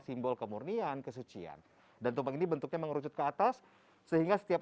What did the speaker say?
simbol kemurnian kesucian dan tumpeng ini bentuknya mengerucut ke atas sehingga setiap